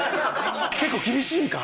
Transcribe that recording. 結構厳しいんか？